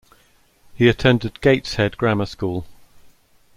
He attended Gateshead Grammar School.